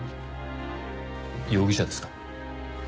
容疑者ですか？